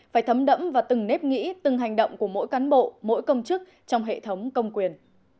phải thấm đẫm vào từng nếp nghĩ từng hành động của mỗi cán bộ mỗi công chức trong hệ thống công quyền